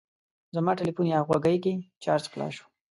زما تلیفون یا غوږۍ کې چارج خلاص شو.